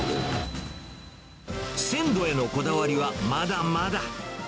鮮度へのこだわりはまだまだ。